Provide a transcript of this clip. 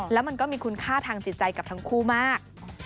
แล้วมันก็มีคุณค่าทางจิตใจกับทั้งคู่มาก